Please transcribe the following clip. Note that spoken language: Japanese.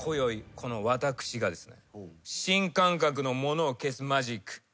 この私がですね。